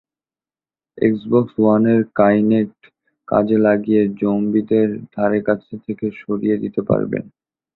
Xbox ওয়ানের Kinect কাজে লাগিয়ে জোম্বিদের ধারেকাছে থেকে সরিয়ে দিতে পারবেন।